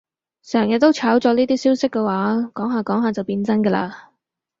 成日都炒作呢啲消息嘅話，講下講下就變成真㗎喇